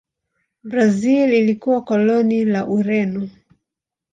Brazil ilikuwa koloni la Ureno.